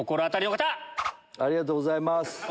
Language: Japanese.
ありがとうございます！